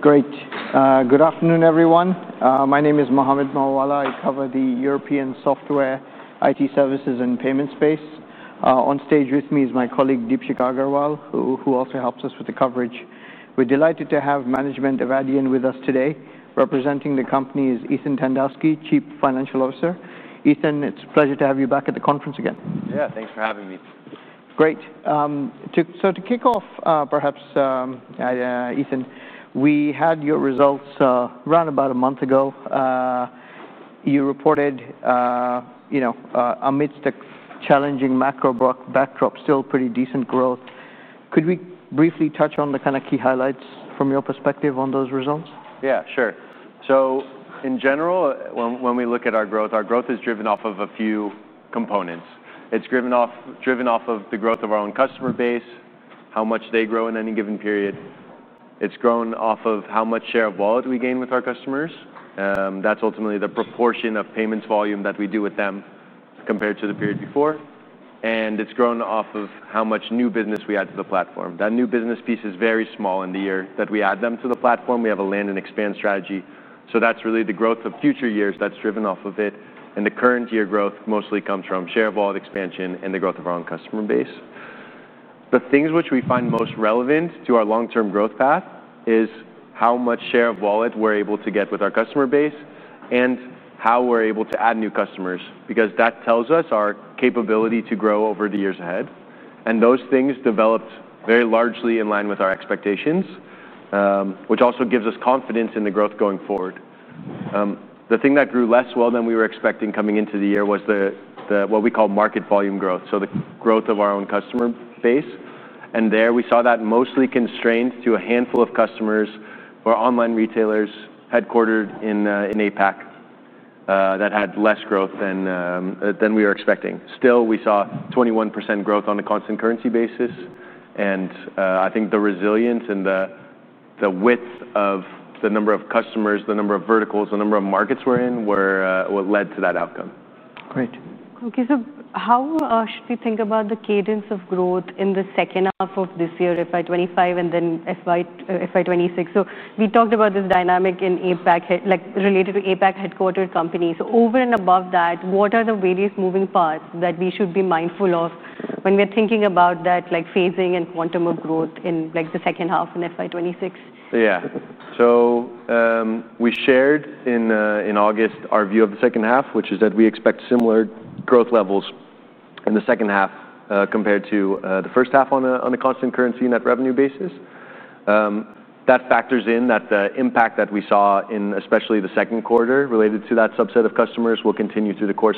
Great. Good afternoon, everyone. My name is Mohamed Mawallah. I cover the European software, IT services, and payment space. On stage with me is my colleague, Deepshy Kagerwal, who also helps us with the coverage. We're delighted to have management of Adyen with us today. Representing the company is Ethan Tandowsky, Chief Financial Officer. Ethan, it's a pleasure to have you back at the conference again. Yeah, thanks for having me. Great. To kick off, perhaps, Ethan, we had your results run about a month ago. You reported, you know, amidst a challenging macro backdrop, still pretty decent growth. Could we briefly touch on the kind of key highlights from your perspective on those results? Yeah, sure. In general, when we look at our growth, our growth is driven off of a few components. It's driven off of the growth of our own customer base, how much they grow in any given period. It's grown off of how much share of wallet we gain with our customers. That's ultimately the proportion of payments volume that we do with them compared to the period before. It's grown off of how much new business we add to the platform. That new business piece is very small in the year that we add them to the platform. We have a land and expand strategy. That's really the growth of future years that's driven off of it. The current year growth mostly comes from share of wallet expansion and the growth of our own customer base. The things which we find most relevant to our long-term growth path is how much share of wallet we're able to get with our customer base and how we're able to add new customers, because that tells us our capability to grow over the years ahead. Those things developed very largely in line with our expectations, which also gives us confidence in the growth going forward. The thing that grew less well than we were expecting coming into the year was what we call market volume growth, the growth of our own customer base. There we saw that mostly constrained to a handful of customers or online retailers headquartered in APAC that had less growth than we were expecting. Still, we saw 21% growth on a constant currency basis. I think the resilience and the width of the number of customers, the number of verticals, the number of markets we're in were what led to that outcome. Great. OK, so how should we think about the cadence of growth in the second half of this year, FY25, and then FY26? We talked about this dynamic in APAC, like related to APAC headquartered companies. Over and above that, what are the various moving parts that we should be mindful of when we're thinking about that phasing and quantum of growth in the second half in FY26? Yeah. We shared in August our view of the second half, which is that we expect similar growth levels in the second half compared to the first half on a constant currency net revenue basis. That factors in that the impact that we saw in especially the second quarter related to that subset of customers will continue through the course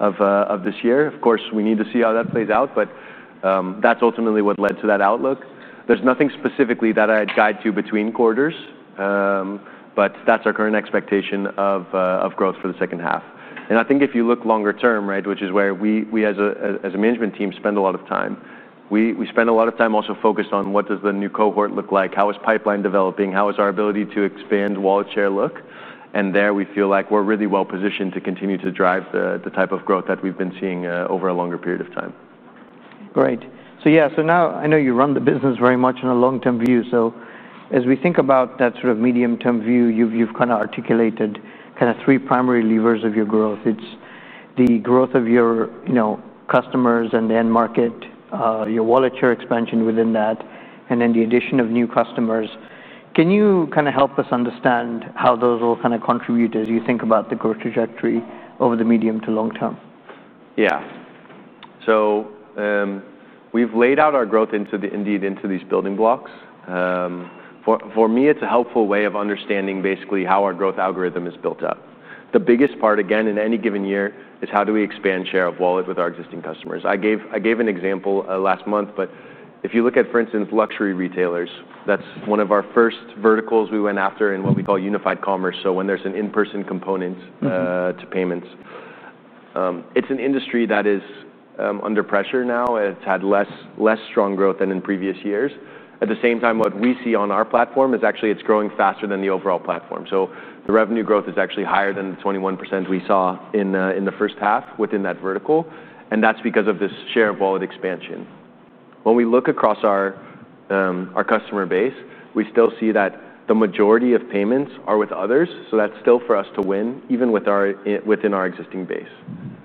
of this year. Of course, we need to see how that plays out. That's ultimately what led to that outlook. There's nothing specifically that I had tied to between quarters. That's our current expectation of growth for the second half. I think if you look longer term, which is where we as a management team spend a lot of time, we spend a lot of time also focused on what does the new cohort look like, how is pipeline developing, how is our ability to expand share of wallet look. There we feel like we're really well positioned to continue to drive the type of growth that we've been seeing over a longer period of time. Great. Now I know you run the business very much in a long-term view. As we think about that sort of medium-term view, you've kind of articulated three primary levers of your growth. It's the growth of your customers and the end market, your wallet share expansion within that, and then the addition of new customers. Can you help us understand how those all contribute as you think about the growth trajectory over the medium to long term? Yeah. We've laid out our growth into these building blocks. For me, it's a helpful way of understanding basically how our growth algorithm is built up. The biggest part, again, in any given year is how do we expand share of wallet with our existing customers. I gave an example last month. If you look at, for instance, luxury retailers, that's one of our first verticals we went after in what we call unified commerce. When there's an in-person component to payments, it's an industry that is under pressure now. It's had less strong growth than in previous years. At the same time, what we see on our platform is actually it's growing faster than the overall platform. The revenue growth is actually higher than the 21% we saw in the first half within that vertical. That's because of this share of wallet expansion. When we look across our customer base, we still see that the majority of payments are with others. That's still for us to win, even within our existing base.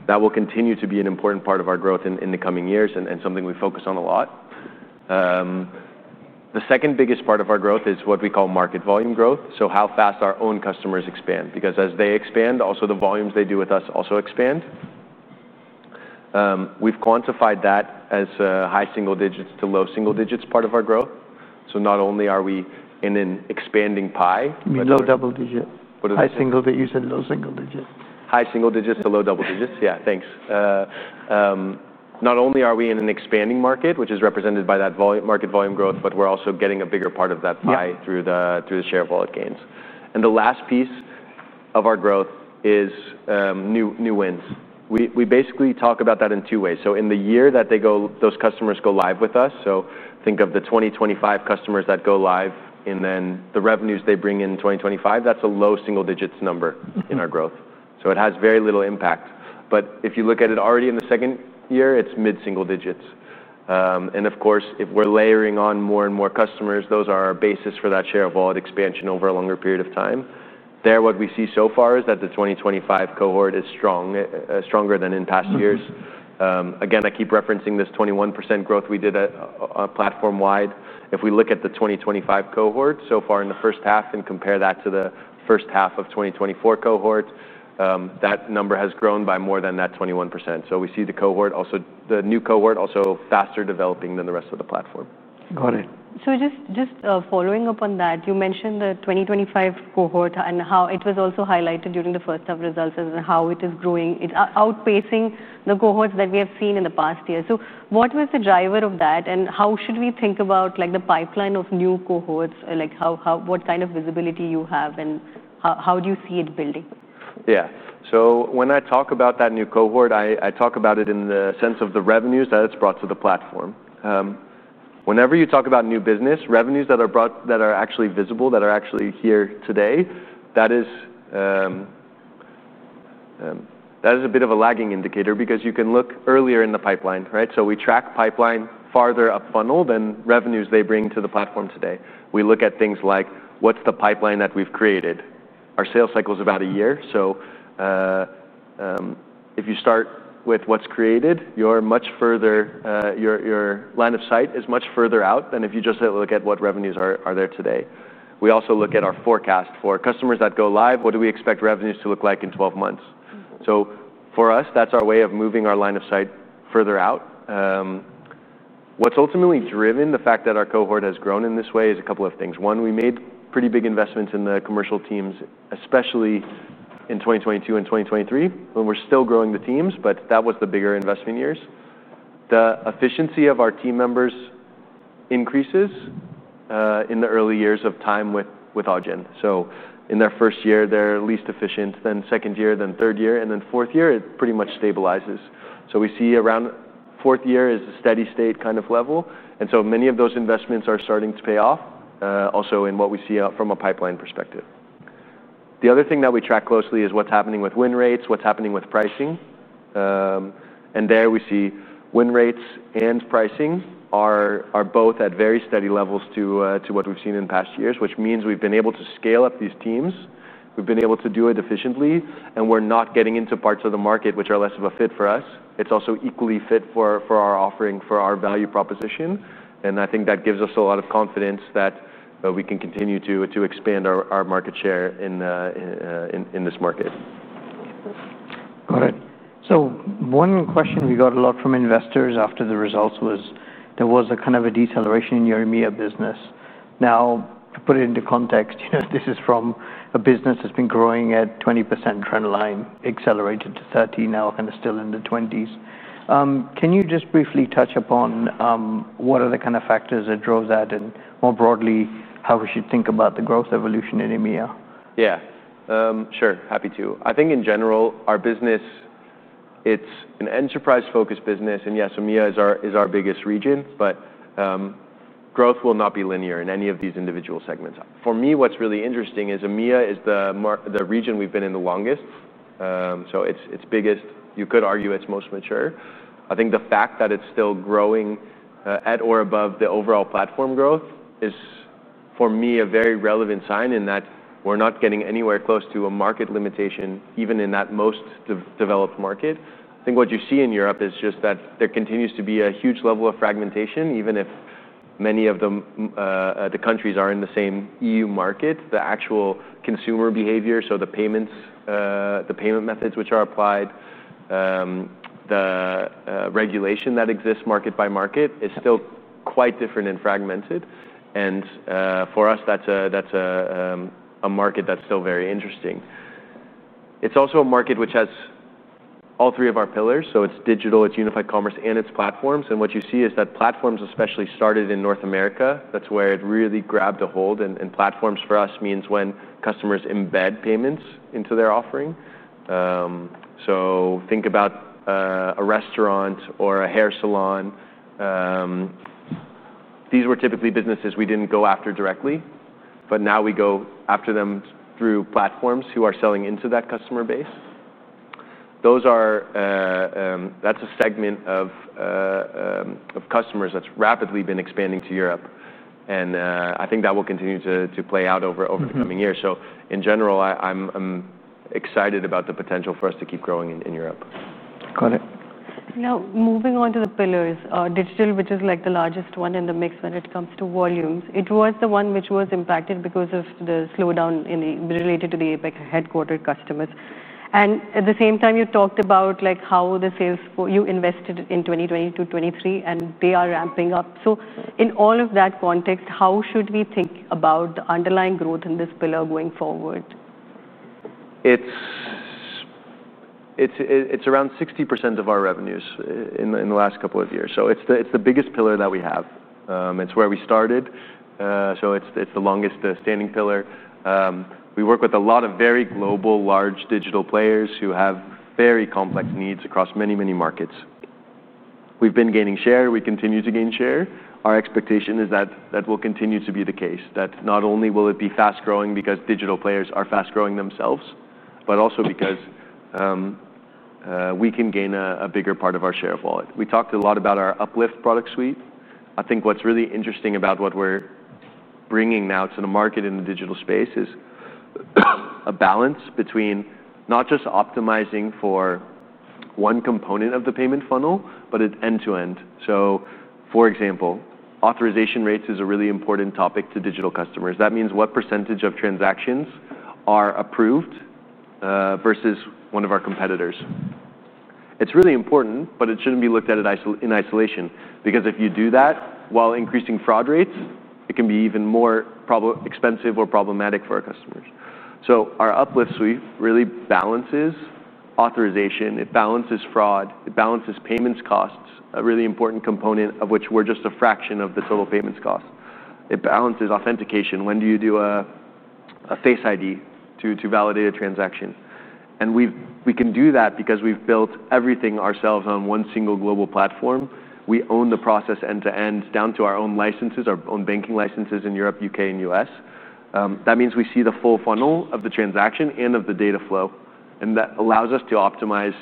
That will continue to be an important part of our growth in the coming years and something we focus on a lot. The second biggest part of our growth is what we call market volume growth, so how fast our own customers expand. As they expand, also the volumes they do with us also expand. We've quantified that as high single digits to low single digits part of our growth. Not only are we in an expanding pie. Low double digits. High single digits and low single digits. High single digits to low double digits. Yeah, thanks. Not only are we in an expanding market, which is represented by that market volume growth, but we're also getting a bigger part of that pie through the share of wallet gains. The last piece of our growth is new wins. We basically talk about that in two ways. In the year that those customers go live with us, so think of the 2025 customers that go live and then the revenues they bring in 2025, that's a low single digits number in our growth. It has very little impact. If you look at it already in the second year, it's mid-single digits. Of course, if we're layering on more and more customers, those are our basis for that share of wallet expansion over a longer period of time. What we see so far is that the 2025 cohort is stronger than in past years. I keep referencing this 21% growth we did platform-wide. If we look at the 2025 cohort so far in the first half and compare that to the first half of 2024 cohorts, that number has grown by more than that 21%. We see the cohort also, the new cohort also faster developing than the rest of the platform. Got it. You mentioned the 2025 cohort and how it was also highlighted during the first half results as how it is growing. It's outpacing the cohorts that we have seen in the past year. What was the driver of that? How should we think about the pipeline of new cohorts? What kind of visibility do you have, and how do you see it building? Yeah. When I talk about that new cohort, I talk about it in the sense of the revenues that it's brought to the platform. Whenever you talk about new business, revenues that are actually visible, that are actually here today, that is a bit of a lagging indicator because you can look earlier in the pipeline. We track pipeline farther up funnel than revenues they bring to the platform today. We look at things like what's the pipeline that we've created. Our sales cycle is about a year. If you start with what's created, your line of sight is much further out than if you just look at what revenues are there today. We also look at our forecast for customers that go live. What do we expect revenues to look like in 12 months? For us, that's our way of moving our line of sight further out. What's ultimately driven the fact that our cohort has grown in this way is a couple of things. One, we made pretty big investments in the commercial teams, especially in 2022 and 2023, when we were still growing the teams. That was the bigger investment years. The efficiency of our team members increases in the early years of time with Adyen. In their first year, they're least efficient, then second year, then third year, and then fourth year, it pretty much stabilizes. We see around fourth year is a steady state kind of level. Many of those investments are starting to pay off also in what we see from a pipeline perspective. The other thing that we track closely is what's happening with win rates, what's happening with pricing. There we see win rates and pricing are both at very steady levels to what we've seen in past years, which means we've been able to scale up these teams. We've been able to do it efficiently. We're not getting into parts of the market which are less of a fit for us. It's also equally fit for our offering, for our value proposition. I think that gives us a lot of confidence that we can continue to expand our market share in this market. Got it. One question we got a lot from investors after the results was there was a kind of a deceleration in your EMEA business. Now, to put it into context, this is from a business that's been growing at a 20% trend line, accelerated to 30%, now kind of still in the 20s. Can you just briefly touch upon what are the kind of factors that drove that and more broadly how we should think about the growth evolution in EMEA? Yeah, sure, happy to. I think in general, our business, it's an enterprise-focused business. Yes, EMEA is our biggest region. Growth will not be linear in any of these individual segments. For me, what's really interesting is EMEA is the region we've been in the longest. It's its biggest. You could argue it's most mature. I think the fact that it's still growing at or above the overall platform growth is, for me, a very relevant sign in that we're not getting anywhere close to a market limitation, even in that most developed market. What you see in Europe is just that there continues to be a huge level of fragmentation, even if many of the countries are in the same EU market. The actual consumer behavior, the payments, the payment methods which are applied, the regulation that exists market by market is still quite different and fragmented. For us, that's a market that's still very interesting. It's also a market which has all three of our pillars. It's digital, it's unified commerce, and it's platforms. What you see is that platforms especially started in North America. That's where it really grabbed a hold. Platforms for us means when customers embed payments into their offering. Think about a restaurant or a hair salon. These were typically businesses we didn't go after directly. Now we go after them through platforms who are selling into that customer base. That's a segment of customers that's rapidly been expanding to Europe. I think that will continue to play out over the coming years. In general, I'm excited about the potential for us to keep growing in Europe. Got it. Now, moving on to the pillars, digital, which is like the largest one in the mix when it comes to volumes, it was the one which was impacted because of the slowdown related to the APAC headquartered customers. At the same time, you talked about how the sales you invested in 2022-2023, and they are ramping up. In all of that context, how should we think about the underlying growth in this pillar going forward? It's around 60% of our revenues in the last couple of years. It's the biggest pillar that we have. It's where we started, so it's the longest standing pillar. We work with a lot of very global, large digital players who have very complex needs across many, many markets. We've been gaining share. We continue to gain share. Our expectation is that that will continue to be the case, that not only will it be fast growing because digital players are fast growing themselves, but also because we can gain a bigger part of our share of wallet. We talked a lot about our Uplift product suite. I think what's really interesting about what we're bringing now to the market in the digital space is a balance between not just optimizing for one component of the payment funnel, but it's end to end. For example, authorization rates is a really important topic to digital customers. That means what % of transactions are approved versus one of our competitors. It's really important, but it shouldn't be looked at in isolation. If you do that while increasing fraud rates, it can be even more expensive or problematic for our customers. Our Uplift suite really balances authorization. It balances fraud. It balances payments costs, a really important component of which we're just a fraction of the total payments cost. It balances authentication. When do you do a face ID to validate a transaction? We can do that because we've built everything ourselves on one single global platform. We own the process end to end down to our own licenses, our own banking licenses in Europe, UK, and US. That means we see the full funnel of the transaction and of the data flow. That allows us to optimize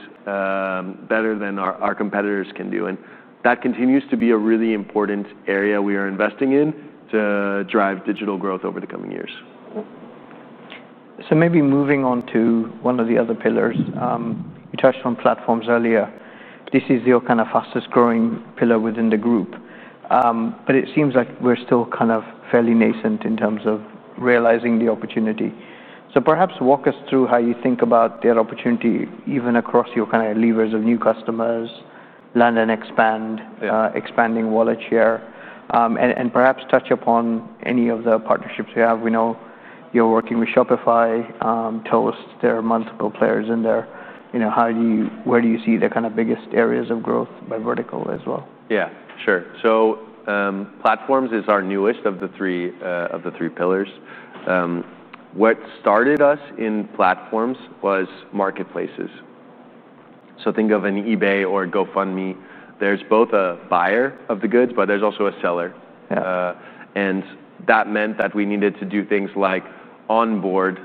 better than our competitors can do. That continues to be a really important area we are investing in to drive digital growth over the coming years. Maybe moving on to one of the other pillars, you touched on platforms earlier. This is your kind of fastest growing pillar within the group, but it seems like we're still kind of fairly nascent in terms of realizing the opportunity. Perhaps walk us through how you think about the opportunity even across your kind of levers of new customers, land and expand, expanding wallet share, and perhaps touch upon any of the partnerships you have. We know you're working with Shopify, Toast. There are multiple players in there. Where do you see the kind of biggest areas of growth by vertical as well? Yeah, sure. Platforms is our newest of the three pillars. What started us in platforms was marketplaces. Think of an eBay or GoFundMe; there's both a buyer of the goods, but there's also a seller. That meant that we needed to do things like onboard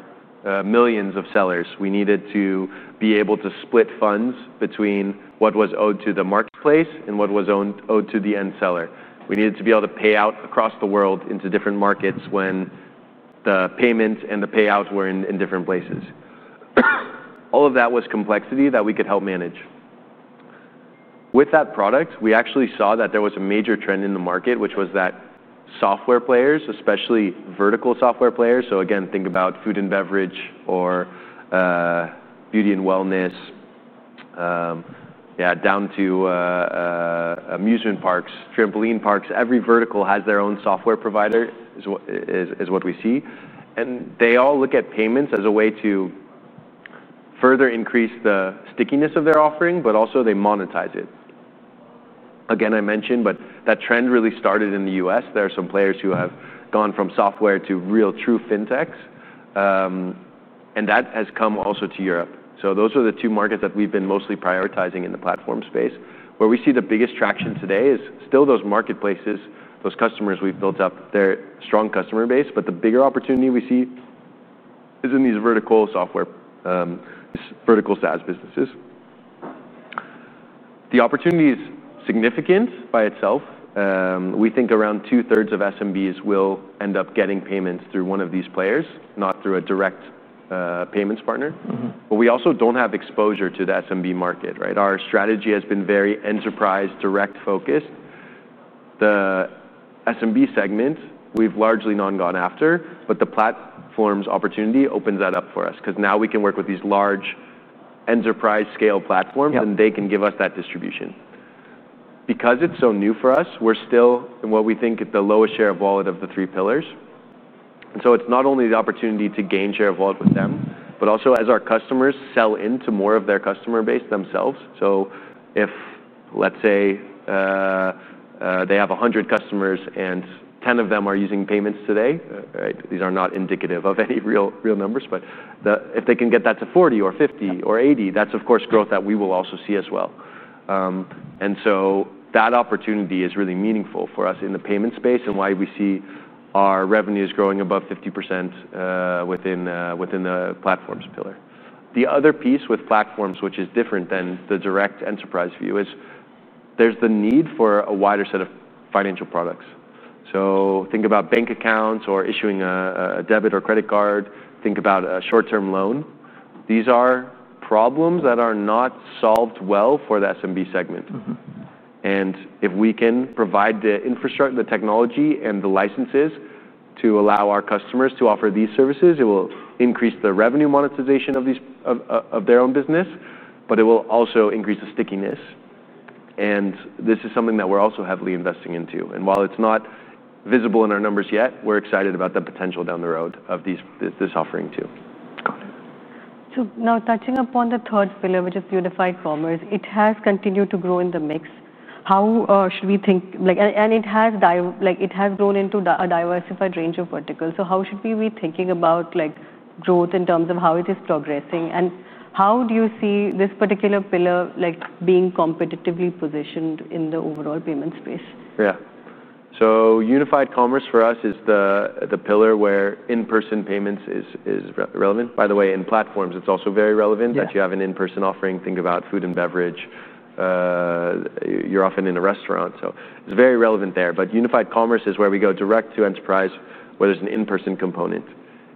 millions of sellers. We needed to be able to split funds between what was owed to the marketplace and what was owed to the end seller. We needed to be able to pay out across the world into different markets when the payments and the payouts were in different places. All of that was complexity that we could help manage. With that product, we actually saw that there was a major trend in the market, which was that software players, especially vertical software players. Again, think about food and beverage or beauty and wellness, down to amusement parks, trampoline parks. Every vertical has their own software provider is what we see. They all look at payments as a way to further increase the stickiness of their offering, but also they monetize it. I mentioned, that trend really started in the U.S. There are some players who have gone from software to real true fintechs. That has come also to Europe. Those are the two markets that we've been mostly prioritizing in the platform space. Where we see the biggest traction today is still those marketplaces, those customers we've built up, their strong customer base. The bigger opportunity we see is in these vertical SaaS businesses. The opportunity is significant by itself. We think around 66% of SMBs will end up getting payments through one of these players, not through a direct payments partner. We also don't have exposure to the SMB market. Our strategy has been very enterprise direct focused. The SMB segment, we've largely not gone after. The platform's opportunity opens that up for us because now we can work with these large enterprise-scale platforms, and they can give us that distribution. Because it's so new for us, we're still in what we think is the lowest share of wallet of the three pillars. It's not only the opportunity to gain share of wallet with them, but also as our customers sell into more of their customer base themselves. If, let's say, they have 100 customers and 10 of them are using payments today, these are not indicative of any real numbers. If they can get that to 40 or 50 or 80, that's, of course, growth that we will also see as well. That opportunity is really meaningful for us in the payment space and why we see our revenues growing above 50% within the platforms pillar. The other piece with platforms, which is different than the direct enterprise view, is there's the need for a wider set of financial products. Think about bank accounts or issuing a debit or credit card. Think about a short-term loan. These are problems that are not solved well for the SMB segment. If we can provide the infrastructure, the technology, and the licenses to allow our customers to offer these services, it will increase the revenue monetization of their own business. It will also increase the stickiness. This is something that we're also heavily investing into. While it's not visible in our numbers yet, we're excited about the potential down the road of this offering too. Got it. Now touching upon the third pillar, which is unified commerce, it has continued to grow in the mix. How should we think? It has grown into a diversified range of verticals. How should we be thinking about growth in terms of how it is progressing? How do you see this particular pillar being competitively positioned in the overall payment space? Yeah. Unified commerce for us is the pillar where in-person payments is relevant. By the way, in platforms, it's also very relevant that you have an in-person offering. Think about food and beverage. You're often in a restaurant. It's very relevant there. Unified commerce is where we go direct to enterprise, where there's an in-person component.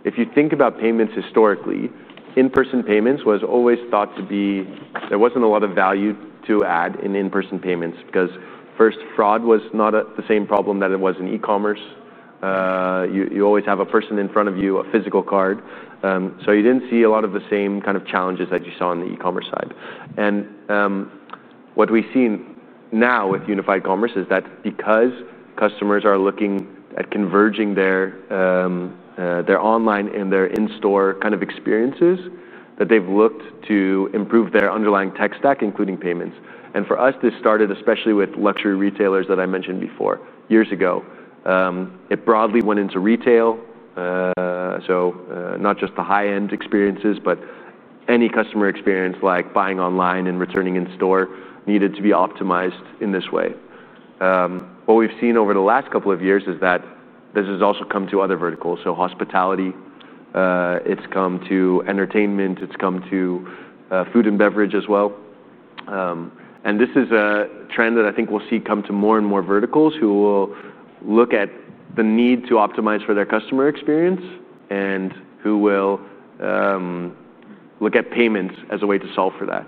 If you think about payments historically, in-person payments was always thought to be there wasn't a lot of value to add in in-person payments because first, fraud was not the same problem that it was in e-commerce. You always have a person in front of you, a physical card. You didn't see a lot of the same kind of challenges that you saw in the e-commerce side. What we've seen now with unified commerce is that because customers are looking at converging their online and their in-store kind of experiences, they've looked to improve their underlying tech stack, including payments. For us, this started especially with luxury retailers that I mentioned before years ago. It broadly went into retail. Not just the high-end experiences, but any customer experience like buying online and returning in store needed to be optimized in this way. What we've seen over the last couple of years is that this has also come to other verticals. Hospitality, it's come to entertainment, it's come to food and beverage as well. This is a trend that I think we'll see come to more and more verticals who will look at the need to optimize for their customer experience and who will look at payments as a way to solve for that.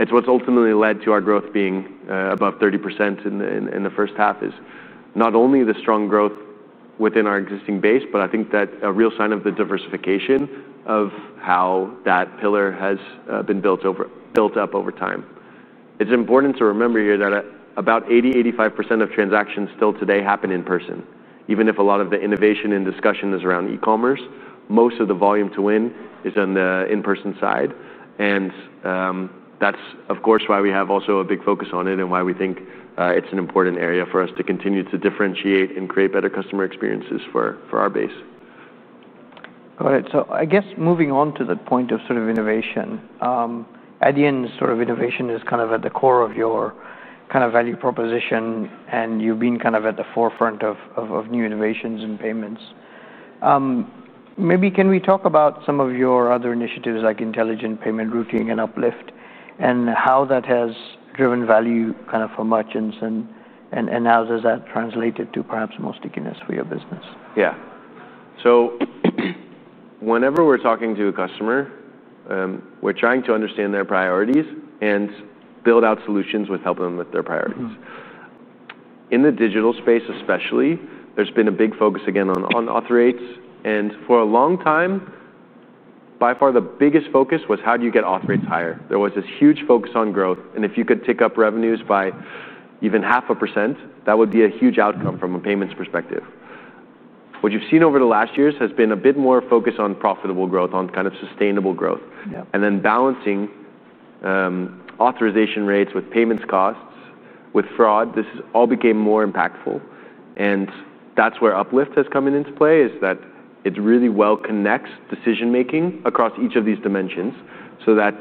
It's what's ultimately led to our growth being above 30% in the first half is not only the strong growth within our existing base, but I think that a real sign of the diversification of how that pillar has been built up over time. It's important to remember here that about 80%, 85% of transactions still today happen in person. Even if a lot of the innovation and discussion is around e-commerce, most of the volume to win is on the in-person side. That's, of course, why we have also a big focus on it and why we think it's an important area for us to continue to differentiate and create better customer experiences for our base. All right. I guess moving on to the point of innovation, Adyen, innovation is at the core of your value proposition. You've been at the forefront of new innovations in payments. Maybe can we talk about some of your other initiatives like intelligent payment routing and Uplift and how that has driven value for merchants? How does that translate to perhaps more stickiness for your business? Yeah. Whenever we're talking to a customer, we're trying to understand their priorities and build out solutions with helping them with their priorities. In the digital space especially, there's been a big focus again on author rates. For a long time, by far the biggest focus was how do you get author rates higher? There was this huge focus on growth. If you could tick up revenues by even 0.5%, that would be a huge outcome from a payments perspective. What you've seen over the last years has been a bit more focus on profitable growth, on kind of sustainable growth. Balancing authorization rates with payments costs, with fraud, this all became more impactful. That's where Uplift has come into play, is that it really well connects decision making across each of these dimensions so that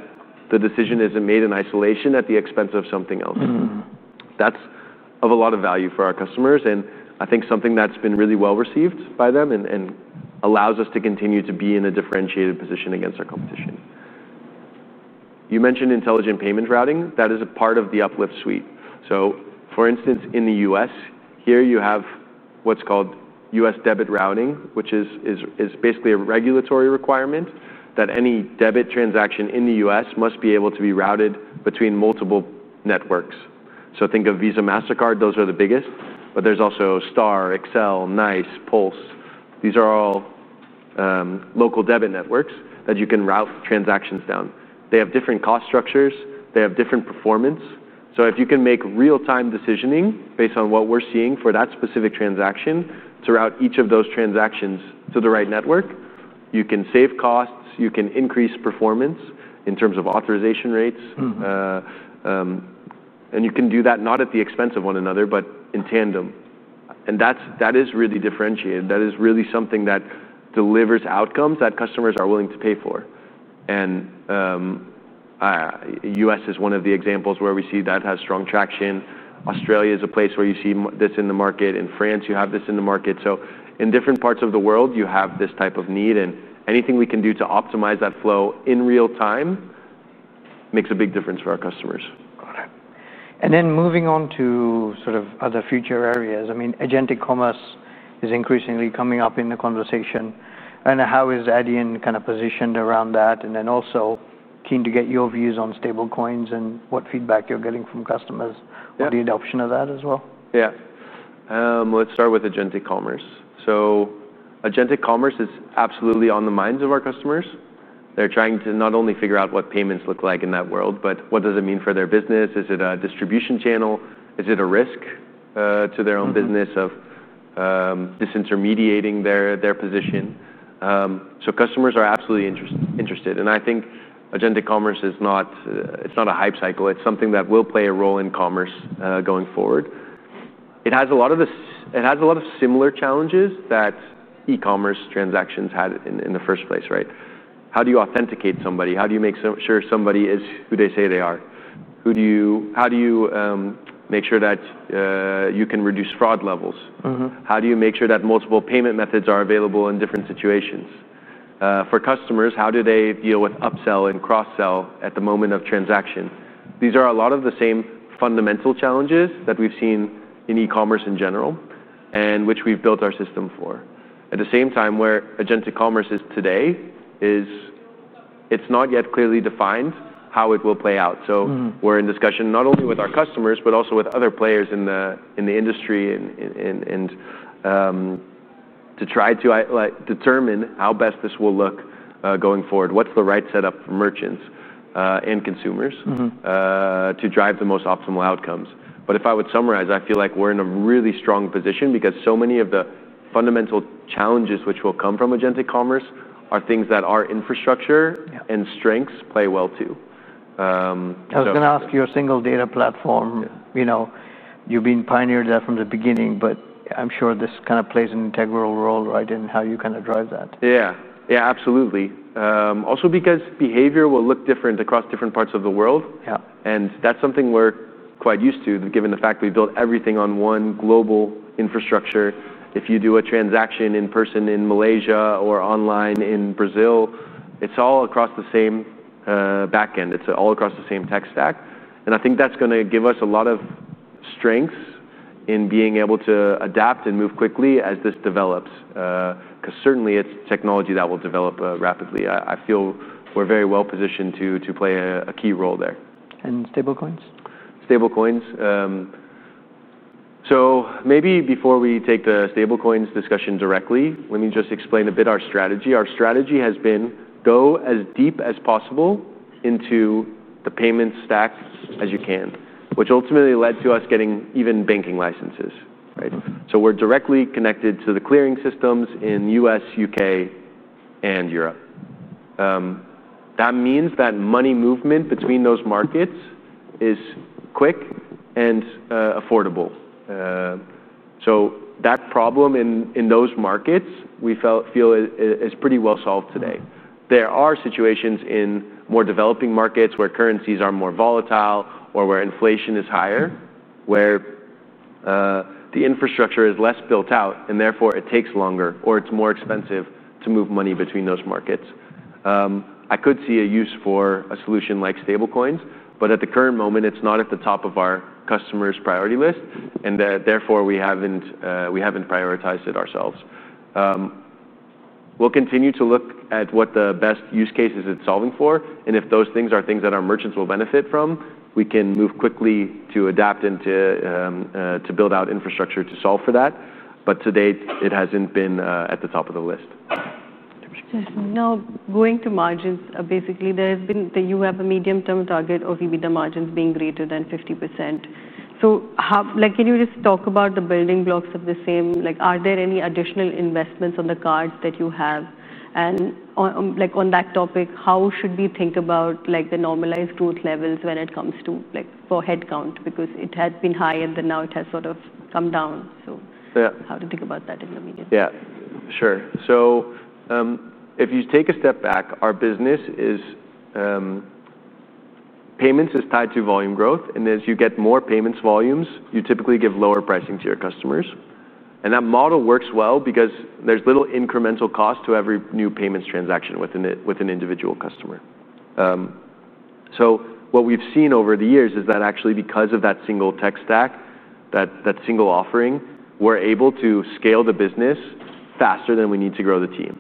the decision isn't made in isolation at the expense of something else. That's of a lot of value for our customers. I think something that's been really well received by them and allows us to continue to be in a differentiated position against our competition. You mentioned intelligent payment routing. That is a part of the Uplift suite. For instance, in the U.S., here you have what's called U.S. debit routing, which is basically a regulatory requirement that any debit transaction in the U.S. must be able to be routed between multiple networks. Think of Visa, MasterCard, those are the biggest. There's also Star, Excel, Nice, Pulse. These are all local debit networks that you can route transactions down. They have different cost structures. They have different performance. If you can make real-time decisioning based on what we're seeing for that specific transaction to route each of those transactions to the right network, you can save costs. You can increase performance in terms of authorization rates. You can do that not at the expense of one another, but in tandem. That is really differentiated. That is really something that delivers outcomes that customers are willing to pay for. The U.S. is one of the examples where we see that has strong traction. Australia is a place where you see this in the market. In France, you have this in the market. In different parts of the world, you have this type of need. Anything we can do to optimize that flow in real time makes a big difference for our customers. Moving on to other future areas, agentic commerce is increasingly coming up in the conversation. How is Adyen positioned around that? I'm also keen to get your views on stablecoins and what feedback you're getting from customers on the adoption of that as well. Yeah. Let's start with agentic commerce. Agentic commerce is absolutely on the minds of our customers. They're trying to not only figure out what payments look like in that world, but what does it mean for their business? Is it a distribution channel? Is it a risk to their own business of disintermediating their position? Customers are absolutely interested. I think agentic commerce is not a hype cycle. It's something that will play a role in commerce going forward. It has a lot of similar challenges that e-commerce transactions had in the first place. How do you authenticate somebody? How do you make sure somebody is who they say they are? How do you make sure that you can reduce fraud levels? How do you make sure that multiple payment methods are available in different situations? For customers, how do they deal with upsell and cross-sell at the moment of transaction? These are a lot of the same fundamental challenges that we've seen in e-commerce in general and which we've built our system for. At the same time, where agentic commerce is today, it's not yet clearly defined how it will play out. We're in discussion not only with our customers, but also with other players in the industry to try to determine how best this will look going forward. What's the right setup for merchants and consumers to drive the most optimal outcomes? If I would summarize, I feel like we're in a really strong position because so many of the fundamental challenges which will come from agentic commerce are things that our infrastructure and strengths play well to. I was going to ask your single data platform. You've been pioneering that from the beginning. I'm sure this kind of plays an integral role in how you kind of drive that. Yeah, absolutely. Also, because behavior will look different across different parts of the world. That's something we're quite used to, given the fact we've built everything on one global infrastructure. If you do a transaction in person in Malaysia or online in Brazil, it's all across the same back end. It's all across the same tech stack. I think that's going to give us a lot of strengths in being able to adapt and move quickly as this develops, because certainly it's technology that will develop rapidly. I feel we're very well positioned to play a key role there. And stablecoins? Stablecoins. Maybe before we take the stablecoins discussion directly, let me just explain a bit our strategy. Our strategy has been go as deep as possible into the payment stacks as you can, which ultimately led to us getting even banking licenses. We're directly connected to the clearing systems in the U.S., UK, and Europe. That means that money movement between those markets is quick and affordable. That problem in those markets, we feel, is pretty well solved today. There are situations in more developing markets where currencies are more volatile or where inflation is higher, where the infrastructure is less built out, and therefore it takes longer or it's more expensive to move money between those markets. I could see a use for a solution like stablecoins. At the current moment, it's not at the top of our customers' priority list, and therefore, we haven't prioritized it ourselves. We'll continue to look at what the best use cases it's solving for, and if those things are things that our merchants will benefit from, we can move quickly to adapt and to build out infrastructure to solve for that. To date, it hasn't been at the top of the list. Just now, going to margins, basically, there has been that you have a medium-term target of EBITDA margins being greater than 50%. Can you just talk about the building blocks of the same? Are there any additional investments on the cards that you have? On that topic, how should we think about the normalized growth levels when it comes to headcount? It had been higher, but now it has sort of come down. How do you think about that in the medium term? Yeah, sure. If you take a step back, our business is payments tied to volume growth. As you get more payments volumes, you typically give lower pricing to your customers. That model works well because there's little incremental cost to every new payments transaction with an individual customer. What we've seen over the years is that actually because of that single tech stack, that single offering, we're able to scale the business faster than we need to grow the team.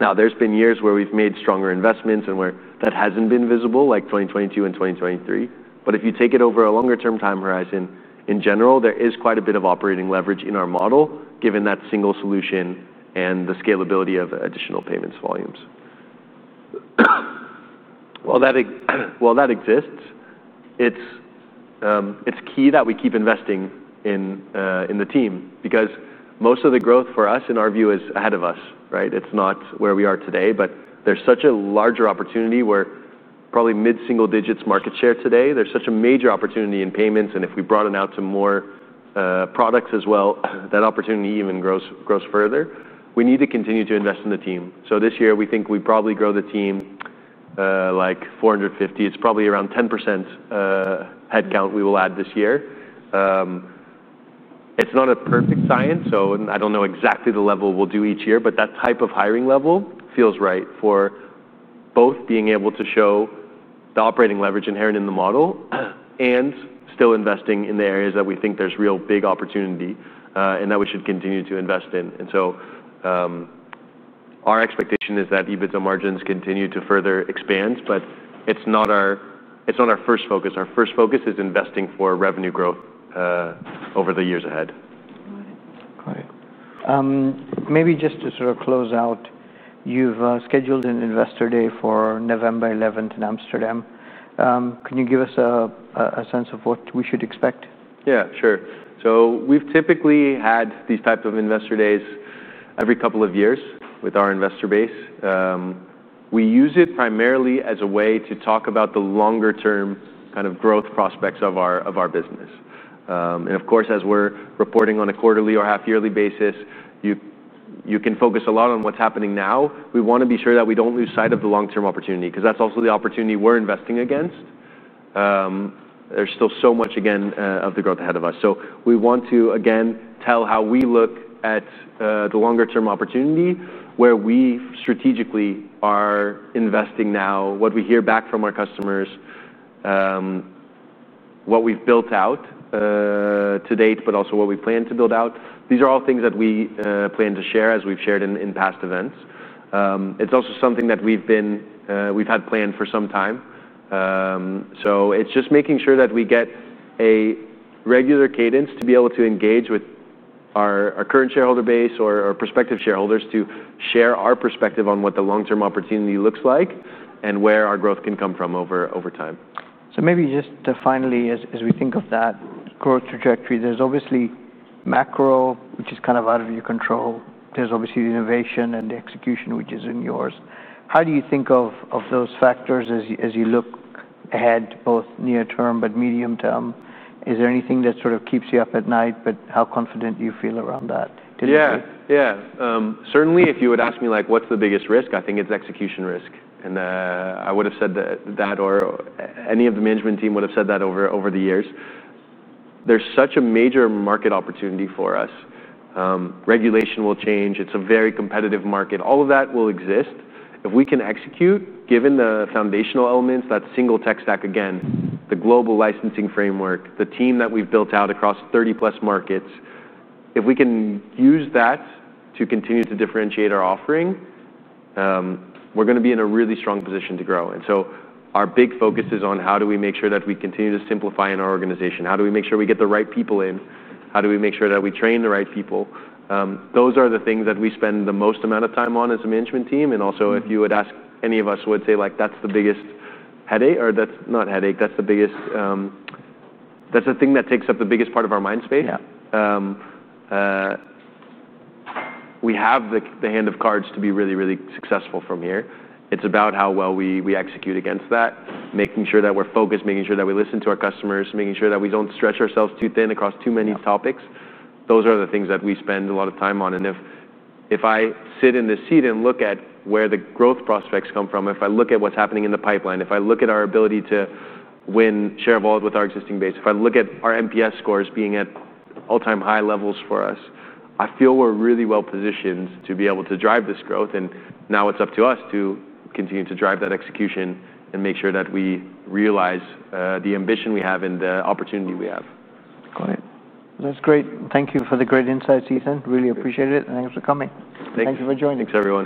There have been years where we've made stronger investments and where that hasn't been visible, like 2022 and 2023. If you take it over a longer-term time horizon, in general, there is quite a bit of operating leverage in our model, given that single solution and the scalability of additional payments volumes. While that exists, it's key that we keep investing in the team because most of the growth for us, in our view, is ahead of us. It's not where we are today. There's such a larger opportunity where probably mid-single digits market share today, there's such a major opportunity in payments. If we broaden out to more products as well, that opportunity even grows further. We need to continue to invest in the team. This year, we think we probably grow the team like 450. It's probably around 10% headcount we will add this year. It's not a perfect science. I don't know exactly the level we'll do each year, but that type of hiring level feels right for both being able to show the operating leverage inherent in the model and still investing in the areas that we think there's real big opportunity and that we should continue to invest in. Our expectation is that EBITDA margins continue to further expand. It's not our first focus. Our first focus is investing for revenue growth over the years ahead. Great. Maybe just to sort of close out, you've scheduled an investor day for November 11 in Amsterdam. Can you give us a sense of what we should expect? Yeah, sure. We've typically had these types of investor days every couple of years with our investor base. We use it primarily as a way to talk about the longer-term kind of growth prospects of our business. Of course, as we're reporting on a quarterly or half-yearly basis, you can focus a lot on what's happening now. We want to be sure that we don't lose sight of the long-term opportunity because that's also the opportunity we're investing against. There's still so much of the growth ahead of us. We want to tell how we look at the longer-term opportunity, where we strategically are investing now, what we hear back from our customers, what we've built out to date, but also what we plan to build out. These are all things that we plan to share, as we've shared in past events. It's also something that we've had planned for some time. It's just making sure that we get a regular cadence to be able to engage with our current shareholder base or prospective shareholders to share our perspective on what the long-term opportunity looks like and where our growth can come from over time. As we think of that growth trajectory, there's obviously macro, which is kind of out of your control. There's obviously the innovation and the execution, which is in yours. How do you think of those factors as you look ahead, both near-term, but medium-term? Is there anything that sort of keeps you up at night? How confident do you feel around that? Certainly, if you would ask me what's the biggest risk, I think it's execution risk. I would have said that, or any of the management team would have said that over the years. There's such a major market opportunity for us. Regulation will change. It's a very competitive market. All of that will exist. If we can execute, given the foundational elements, that single tech stack, again, the global licensing framework, the team that we've built out across 30-plus markets, if we can use that to continue to differentiate our offering, we're going to be in a really strong position to grow. Our big focus is on how do we make sure that we continue to simplify in our organization? How do we make sure we get the right people in? How do we make sure that we train the right people? Those are the things that we spend the most amount of time on as a management team. Also, if you would ask any of us, we would say that's the biggest headache. Or that's not headache. That's the biggest thing that takes up the biggest part of our mind space. We have the hand of cards to be really, really successful from here. It's about how well we execute against that, making sure that we're focused, making sure that we listen to our customers, making sure that we don't stretch ourselves too thin across too many topics. Those are the things that we spend a lot of time on. If I sit in this seat and look at where the growth prospects come from, if I look at what's happening in the pipeline, if I look at our ability to win share of wallet with our existing base, if I look at our NPS scores being at all-time high levels for us, I feel we're really well positioned to be able to drive this growth. Now it's up to us to continue to drive that execution and make sure that we realize the ambition we have and the opportunity we have. Got it. That's great. Thank you for the great insights, Ethan. Really appreciate it. Thanks for coming. Thank you for joining. Thanks for.